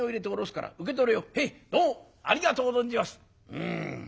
「うん。